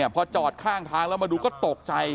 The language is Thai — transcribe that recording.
พอจอดข้างทางแล้วมาดูก็ตกใจ